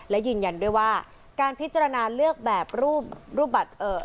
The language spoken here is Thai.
และยืนยันด้วยว่าการพิจารณาเลือกแบบรูปรูปบัตรเอ่อ